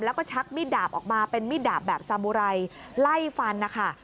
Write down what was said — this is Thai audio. แล้วก็ชักมีดดาบออกมาเป็นมีดดาบแบบสามุไรไล่ฟันนะคะ